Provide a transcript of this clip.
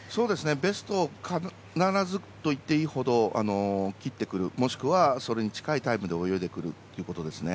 ベストを必ずといっていいほど切ってくる、もしくはそれに近いタイムで泳いでくるということですね。